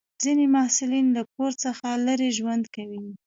ځینې محصلین له کور څخه لرې ژوند کوي.